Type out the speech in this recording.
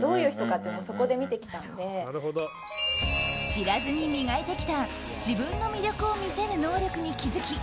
知らずに磨いてきた自分の魅力を見せる能力に気付き